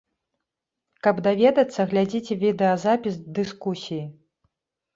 Каб даведацца, глядзіце відэазапіс дыскусіі.